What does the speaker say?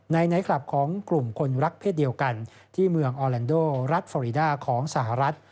ไนท์คลับของกลุ่มคนรักเพศเดียวกันที่เมืองออแลนโดรัฐฟอรีดาของสหรัฐ